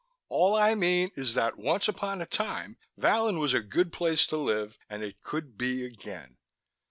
All I mean is that once upon a time Vallon was a good place to live and it could be again.